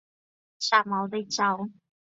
展毛地椒为唇形科百里香属下的一个变种。